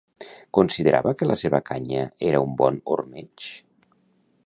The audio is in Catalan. Considerava que la seva canya era un bon ormeig?